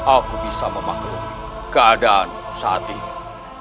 aku bisa memahami keadaanmu saat itu